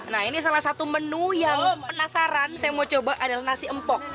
nah ini salah satu menu yang penasaran saya mau coba adalah nasi empok